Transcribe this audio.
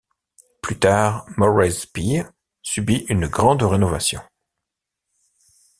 Plus tard, Morey's Pier subit une grande rénovation.